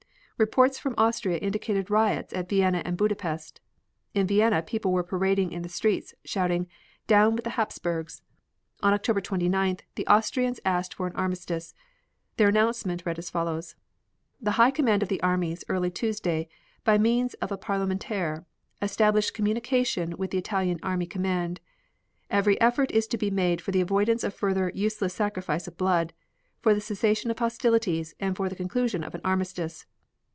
Reports from Austria indicated riots at Vienna and Budapest. In Vienna people were parading the streets, shouting "Down with the Hapsburgs!" On October 29th, the Austrians asked for an armistice. Their announcement read as follows: The High Command of the armies, early Tuesday, by means of a Parliamentaire, established communication with the Italian army command. Every effort is to be made for the avoidance of further useless sacrifice of blood, for the cessation of hostilities, and the conclusion of an armistice.